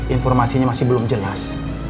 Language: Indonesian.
informasinya masih belum jelas